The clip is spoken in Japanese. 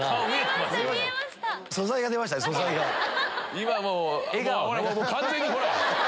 今もう完全にほら！